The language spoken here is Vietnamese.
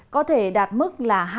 có thể đạt mức là hai mươi bảy độ